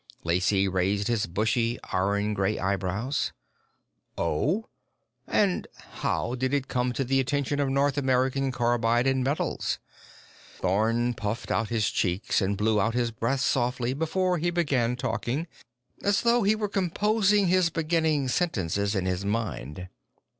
Lacey raised his bushy, iron gray eyebrows. "Oh? And how did it come to the attention of North American Carbide & Metals?" Thorn puffed out his cheeks and blew out his breath softly before he began talking, as though he were composing his beginning sentences in his mind.